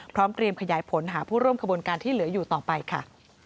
พร้อมเตรียมขยายผลหาผู้ร่วมขบวนการที่เหลืออยู่ต่อไปค่ะ